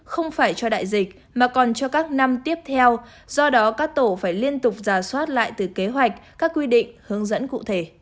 không phải cho đại dịch mà còn cho các năm tiếp theo do đó các tổ phải liên tục giả soát lại từ kế hoạch các quy định hướng dẫn cụ thể